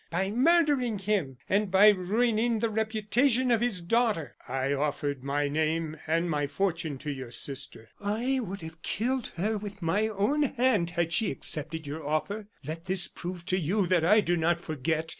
By murdering him, and by ruining the reputation of his daughter." "I offered my name and my fortune to your sister." "I would have killed her with my own hand had she accepted your offer. Let this prove to you that I do not forget.